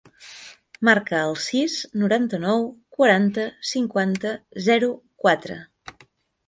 Marca el sis, noranta-nou, quaranta, cinquanta, zero, quatre.